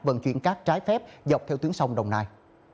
vận chuyển cát trái phép dọc theo tuyến sông đồng nai